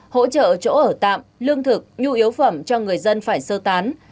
hỗ trợ chỗ ở tạm lương thực nhu yếu phẩm cho người dân phải sơ tán